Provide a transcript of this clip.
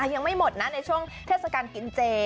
ยังไม่หมดนะในช่วงเทศกาลกินเจ